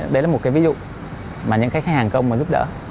đấy là một cái ví dụ mà những khách hàng công mà giúp đỡ